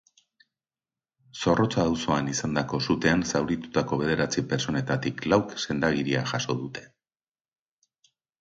Zorrotza auzoan izandako sutean zauritutako bederatzi pertsonetatik lauk sendagiria jaso dute.